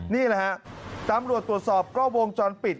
นี่แหละฮะตำรวจตรวจสอบกล้องวงจรปิด